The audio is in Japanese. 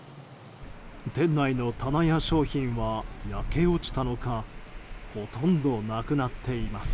店内の棚や商品は焼け落ちたのかほとんどなくなっています。